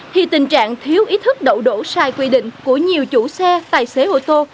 thì tình trạng thiếu ý thức đậu đỗ sai quy định của nhiều chủ xe tài xế ô tô